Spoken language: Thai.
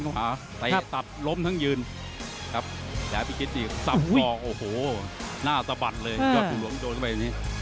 หน้าตะบัดเลยจอดผู้หลวงโดนเข้าไปอย่างนี้